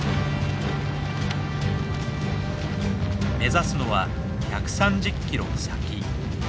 目指すのは１３０キロ先。